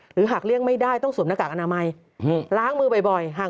หากเลี่ยงไม่ได้ต้องสวมหน้ากากอนามัยล้างมือบ่อยหาก